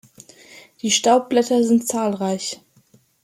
Die Staubblätter sind zahlreich.